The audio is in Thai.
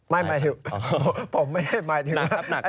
ไม่หมายถึงผมไม่ได้หมายถึง